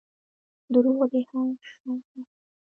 • دروغ د هر شر پیل دی.